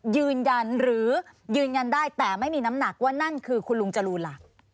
ยืนยันหรือยืนยันได้แต่ไม่มีน้ำหนักว่านั่นคือคุณลุงจรูนล่ะ